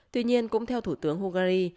tuy nhiên cũng theo thủ tướng hungary